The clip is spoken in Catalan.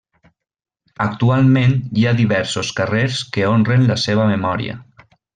Actualment hi ha diversos carrers que honren la seva memòria.